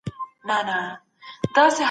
ولسي جرګه به تل د فساد پر وړاندې مبارزه کوي.